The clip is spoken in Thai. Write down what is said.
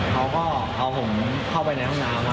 เขาก็เอาผมเข้าไปในห้องน้ำ